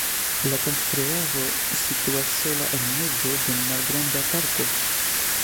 La konstruaĵo situas sola en mezo de malgranda parko.